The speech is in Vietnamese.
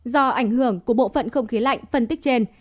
do ảnh hưởng của bộ phận không khí lạnh phân tích trên